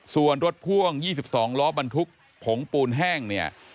ส่วนรถพ่วง๒๒ล้อบรรทุกผงปูนแห้งเนี่ย